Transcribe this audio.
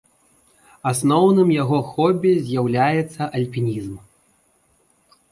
Асноўным яго хобі з'яўляецца альпінізм.